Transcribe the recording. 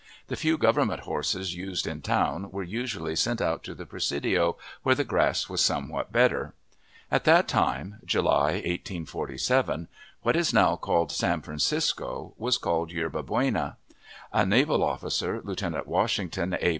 The few government horses used in town were usually sent out to the Presidio, where the grass was somewhat better. At that time (July, 1847), what is now called San Francisco was called Yerba Buena. A naval officer, Lieutenant Washington A.